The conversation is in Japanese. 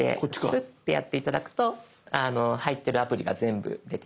スッてやって頂くと入ってるアプリが全部出てきます。